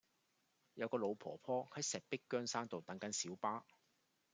有個老婆婆喺石壁羌山道等緊小巴